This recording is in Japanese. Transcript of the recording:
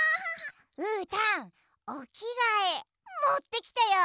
うーたんおきがえもってきたよ！